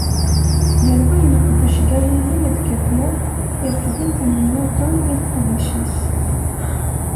Gar wayen iqdec Galili d Kepler, irfed-iten Newton i leqdic-is.